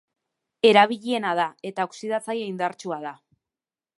Erabiliena da, eta oxidatzaile indartsua da.